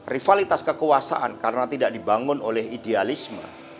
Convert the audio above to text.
rivalitas kekuasaan karena tidak dibangun oleh idealisme